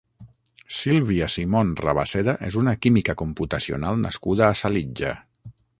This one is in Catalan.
Sílvia Simon Rabasseda és una química computacional nascuda a Salitja.